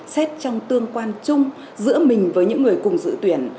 xét trong tương quan chung giữa mình với những người cùng dự tuyển